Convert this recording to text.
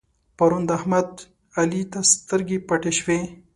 پرون د احمد؛ علي ته سترګې پټې شوې.